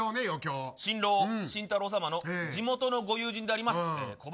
新郎、晋太郎さまの地元のご友人であります。